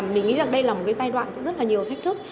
mình nghĩ rằng đây là một giai đoạn rất nhiều thách thức